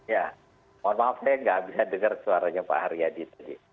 ya mohon maaf saya nggak bisa dengar suaranya pak haryadi tadi